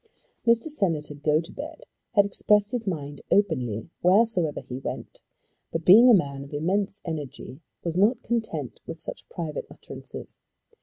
Mr. Senator Gotobed had expressed his mind openly wheresoever he went, but, being a man of immense energy, was not content with such private utterances.